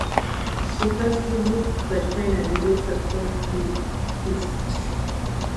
She first resists but finally lets herself be kissed.